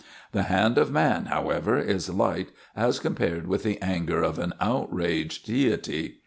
The hand of man, however, is light as compared with the anger of an outraged Deity.